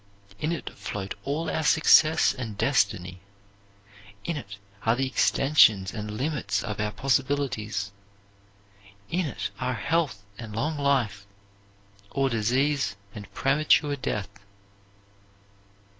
In it float all our success and destiny. In it are the extensions and limits of our possibilities. In it are health and long life, or disease and premature death.